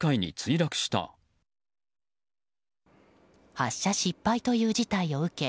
発射失敗という事態を受け